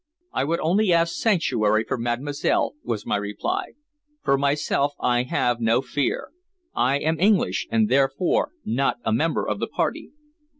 "I would only ask sanctuary for Mademoiselle," was my reply. "For myself, I have no fear. I am English, and therefore not a member of the Party."